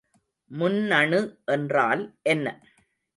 முன்னணு என்றால் என்ன?